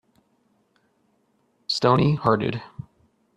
Stony hearted